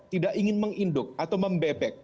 tidak ingin menginduk atau membebek